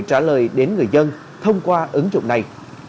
trả lời đến người dân thông qua ứng dụng này